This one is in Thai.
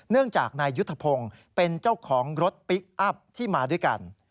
เนื่องจากนายยุทธพงศ์เป็นเจ้าของรถพลิกอัพที่มาด้วยกัน